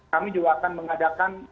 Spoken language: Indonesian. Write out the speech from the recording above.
kami juga akan mengadakan